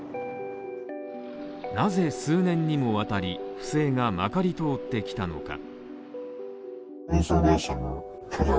なぜ数年にもわたり、不正がまかり通ってきたのか。